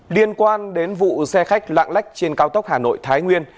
liên quan đến vụ xe khách lạng lách trên cao tốc hà nội thái nguyên